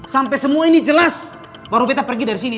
sampai semua ini jelas baru kita pergi dari sini